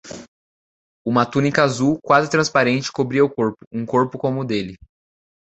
Uma túnica azul, quase transparente, cobria o corpo, um corpo como o dele.